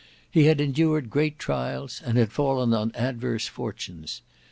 He had endured great trials, and had fallen on adverse fortunes.